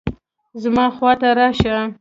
زما خوا ته راشه